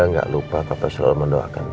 enggak lupa papa selalu mendoakan